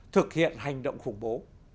thực hiện hành động khủng bố